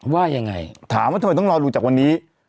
ว่ายังไงถามว่าทำไมต้องรอดูจากวันนี้